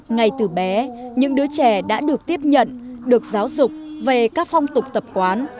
ngay từ bé những đứa trẻ đã được tiếp nhận được giáo dục về các phong tục tập quán